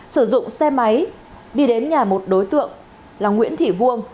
sử dụng xe máy đi đến nhà một đối tượng là nguyễn thị vuông